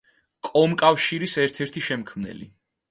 კომკავშირის ერთ-ერთი შემქმნელი.